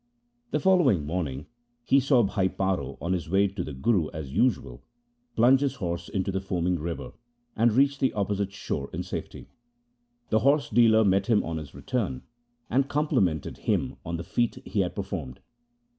The following morning he saw Bhai Paro, on his way to the Guru as usual, plunge his horse into the foaming river and reach the opposite shore in safety. The horse dealer met him on his return, and compli mented him on the feat he had performed.